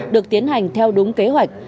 được tiến hành theo đúng kế hoạch